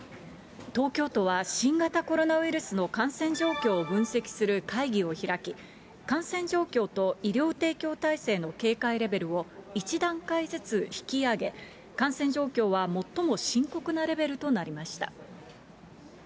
東京都は、新型コロナウイルスの感染状況を分析する会議を開き、感染状況と医療提供体制の警戒レベルを１段階ずつ引き上げ、感染状況は最も深刻なレベルとなりました。